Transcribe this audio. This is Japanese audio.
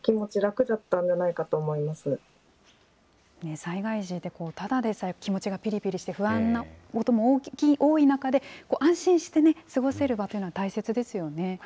災害時って、ただでさえ気持ちがぴりぴりして、不安なことも多い中で、安心して過ごせる場というのは大切ですよね。